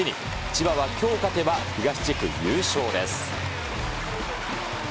千葉はきょう勝てば東地区優勝です。